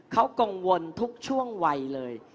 เขากังวลทุกช่วงวัยเลย